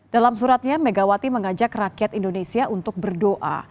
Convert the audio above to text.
dalam suratnya megawati mengajak rakyat indonesia untuk berdoa